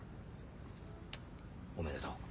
おめでとう。